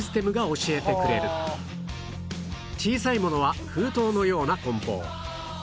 小さいものは封筒のような梱包